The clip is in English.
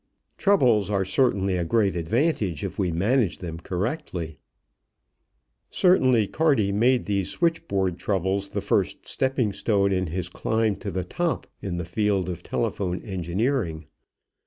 Troubles are certainly a great advantage, if we manage them correctly. Certainly Carty made these switchboard troubles the first stepping stone in his climb to the top in the field of telephone engineering.